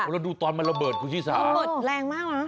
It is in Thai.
แล้วดูตอนมันระเบิดคุณพี่สาแรงมากหรอ